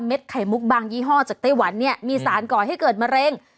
เม็ดไข่มุกบางยี่ห้อจากไต้หวันมีสารเกาะให้เกิดมะเร็ง